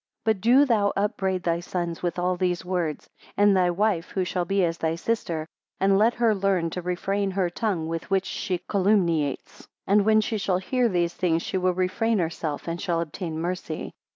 But do thou upbraid thy sons with all these words; and thy wife, who shall be as thy sister; and let her learn to refrain her tongue, with which she calumniates. 11 And when she shall hear these things, she will refrain herself, and shall obtain mercy.